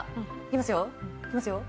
いきますよ。